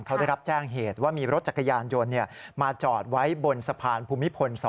เขาได้รับแจ้งเหตุว่ามีรถจักรยานยนต์มาจอดไว้บนสะพานภูมิพล๒